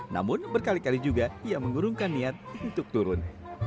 namun berkali kali juga ia mengurungkan niat untuk turun